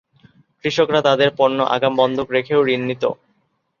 কৃষকরা তাদের পণ্য আগাম বন্ধক রেখেও ঋণ নিত।